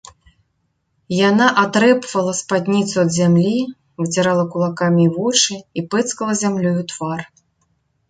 Яна атрэпвала спадніцу ад зямлі, выцірала кулакамі вочы і пэцкала зямлёю твар.